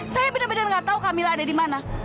saya benar benar tidak tahu kamilah ada di mana